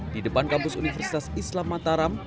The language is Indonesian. di depan kampus universitas islam mataram